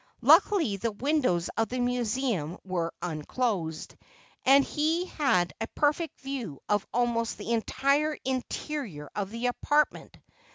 Luckily the windows of the Museum were unclosed, and he had a perfect view of almost the entire interior of the apartment.